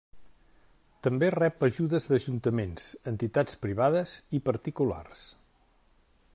També rep ajudes d'ajuntaments, entitats privades, i particulars.